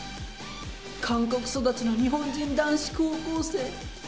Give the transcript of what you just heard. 韓国育ちの日本人男子高校生。